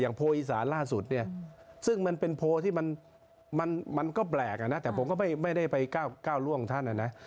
โพลอีสานล่าสุดเนี่ยซึ่งมันเป็นโพลที่มันก็แปลกอ่ะนะแต่ผมก็ไม่ได้ไปก้าวล่วงท่านนะนะ